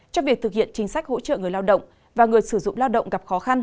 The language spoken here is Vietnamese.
trong việc thực hiện chính sách hỗ trợ người lao động và người sử dụng lao động gặp khó khăn